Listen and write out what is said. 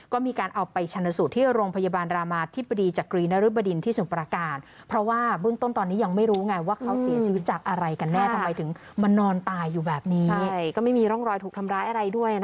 ก็มีการเอาไปชนสูตรที่โรงพยาบาลรามาธิบดีจากกรีนริบดินที่สูงประการ